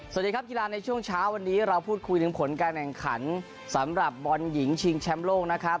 สวัสดีครับกีฬาในช่วงเช้าวันนี้เราพูดคุยถึงผลการแข่งขันสำหรับบอลหญิงชิงแชมป์โลกนะครับ